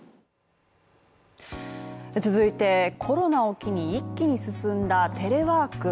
続いて、コロナを機に一気に進んだテレワーク。